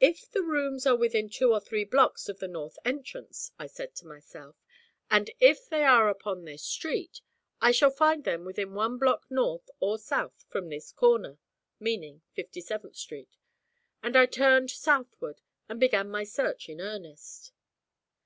'If the rooms are within two or three blocks of the north entrance,' I said to myself, 'and if they are upon this street, I shall find them within one block north or south from this corner,' meaning Fifty seventh Street, and I turned southward and began my search in earnest.